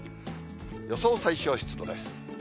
予想最小湿度です。